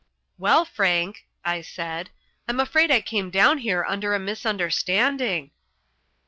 "Well, Frank," I said, "I'm afraid I came down here under a misunderstanding."